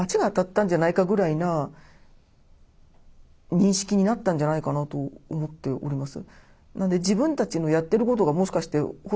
認識になったんじゃないかなと思っております。